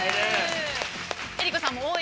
◆江里子さんも応援